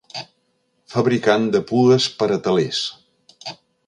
Fabricant de pues per a telers.